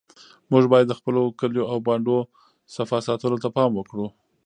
موږ باید د خپلو کلیو او بانډو صفا ساتلو ته پام وکړو.